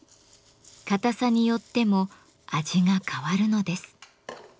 硬さによっても味が変わるのです。